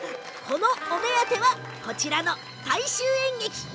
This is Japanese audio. お目当てはこちらの大衆演劇。